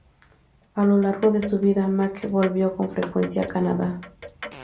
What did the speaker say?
A lo largo de su vida, Mack volvió con frecuencia a Canadá.